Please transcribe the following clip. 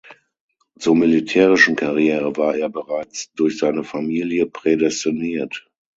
Zur militärischen Karriere war er bereits durch seine Familie prädestiniert.